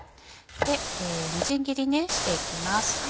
みじん切りにしていきます。